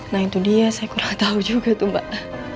nah itu dia saya kurang tahu juga tuh mbak